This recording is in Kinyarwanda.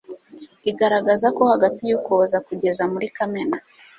igaragaza ko hagati y'Ukuboza kugeza muri Kamena